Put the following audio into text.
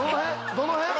どの辺？